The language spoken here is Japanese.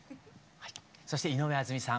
そして井上あずみさん